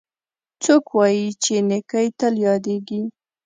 څوک وایي چې نیکۍ تل یادیږي